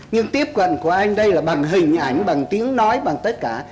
nhưng tiếp cận của anh đây là bằng hình ảnh bằng tiếng nói bằng tất cả